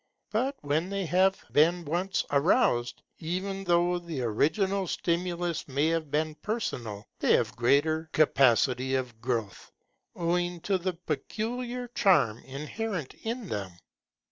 But when they have been once aroused, even though the original stimulus may have been personal, they have greater capacity of growth, owing to the peculiar charm inherent in them.